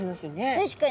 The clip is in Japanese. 確かに。